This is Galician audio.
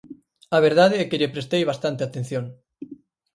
A verdade é que lle prestei bastante atención.